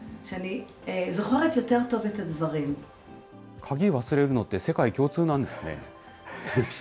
鍵忘れるのって、世界共通なんですね。